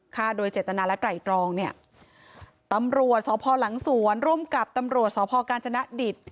ฆ่าโดยเจตนาและไตรตรองเนี่ยตำรวจสพหลังสวนร่วมกับตำรวจสพกาญจนดิต